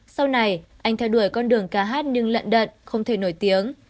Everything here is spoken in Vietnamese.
sau này anh theo đuổi con đường ca hát nhưng lặn đận không thể nổi tiếng